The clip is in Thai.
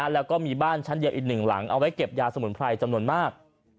แล้วก็มีบ้านชั้นเดียวอีกหนึ่งหลังเอาไว้เก็บยาสมุนไพรจำนวนมาก